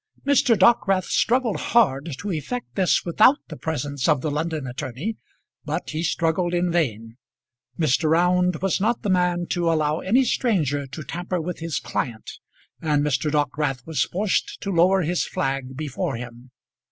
Mr. Dockwrath struggled hard to effect this without the presence of the London attorney; but he struggled in vain. Mr. Round was not the man to allow any stranger to tamper with his client, and Mr. Dockwrath was forced to lower his flag before him.